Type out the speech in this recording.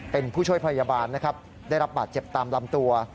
เป็นผู้ช่วยพยาบาลนะครับได้รับบาดเจ็บตามลำตัว